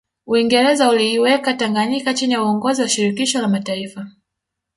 Uingereza uliiweka Tanganyika chini ya uongozi wa Shirikisho la Mataifa